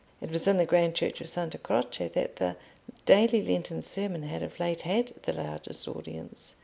It was in the grand church of Santa Croce that the daily Lenten sermon had of late had the largest audience.